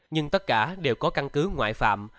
nhưng tất cả đều có căn cứ ngoại phạm